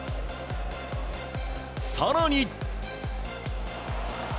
更に。